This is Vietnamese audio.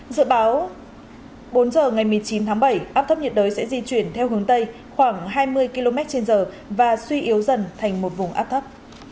dự báo bốn giờ ngày một mươi chín tháng bảy áp thấp nhiệt đới sẽ di chuyển theo hướng tây khoảng hai mươi km trên giờ và suy yếu dần thành một vùng áp thấp